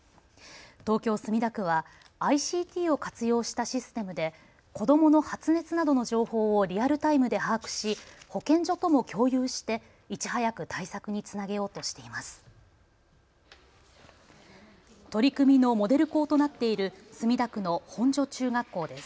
東京墨田区はＩＣＴを活用したシステムで子どもの発熱などの情報をリアルタイムで把握し保健所とも共有していち早く対策につなげようとしています。